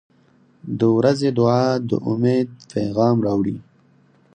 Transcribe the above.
• د ورځې دعا د امید پیغام راوړي.